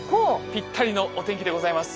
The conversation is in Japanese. ぴったりのお天気でございます。